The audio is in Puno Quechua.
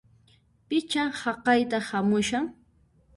Pichá haqayta hamushan!